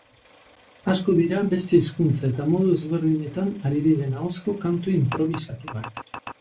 Asko dira beste hizkuntza eta modu ezberdinetan ari diren ahozko kantu inprobisatuak.